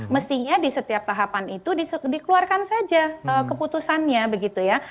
mestinya di setiap tahapan itu dikeluarkan saja keputusannya begitu ya